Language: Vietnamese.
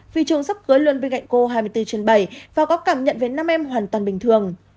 vì chồng sắp cưới luôn bên cạnh cô hai mươi bốn trên bảy và có cảm nhận về nam em hoàn toàn bình thường